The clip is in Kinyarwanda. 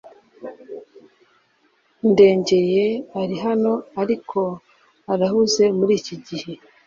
Ndengeye arihano, ariko arahuze muriki gihe .